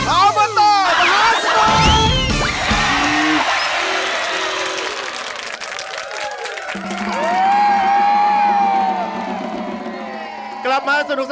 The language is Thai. ออบอตตอร์มหาสนุก